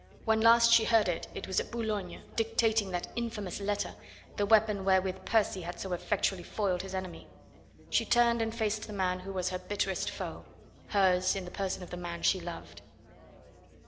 When last she heard it it was at Boulogne, dictating that infamous letter the weapon wherewith Percy had so effectually foiled his enemy. She turned and faced the man who was her bitterest foe hers in the person of the man she loved.